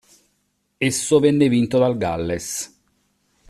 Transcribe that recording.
Esso venne vinto dal Galles.